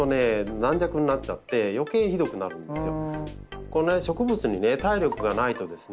軟弱になっちゃってよけいひどくなるんですよ。